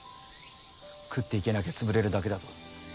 食っていけなきゃつぶれるだけだぞ